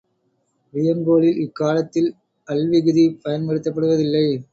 வியங்கோளில் இக்காலத்தில் அல் விகுதி பயன் படுத்தப்படுவதில்லை.